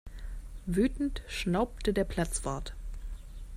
Wütend schnaubte der Platzwart.